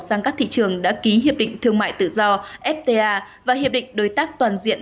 sang các thị trường đã ký hiệp định thương mại tự do fta và hiệp định đối tác toàn diện